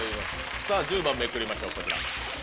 さぁ１０番めくりましょうこちら。